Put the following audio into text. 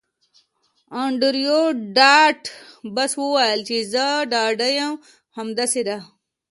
انډریو ډاټ باس وویل چې زه ډاډه یم همداسې ده